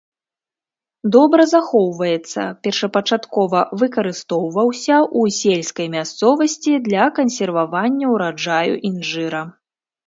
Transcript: Добра захоўваецца, першапачаткова выкарыстоўваўся ў сельскай мясцовасці для кансервавання ўраджаю інжыра.